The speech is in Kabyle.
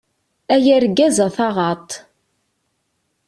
Ay argaz, a taɣaṭ!